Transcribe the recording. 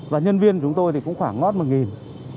và nhân viên của chúng tôi thì cũng khoảng ngót một